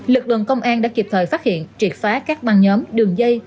lực lượng công an đã kịp thời phát hiện triệt phá các băng nhóm đường dây